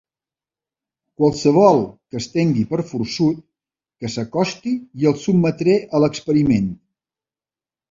Qualsevol que es tingui per forçut que s'acosti i el sotmetré a l'experiment.